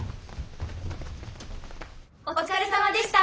お疲れさまでした！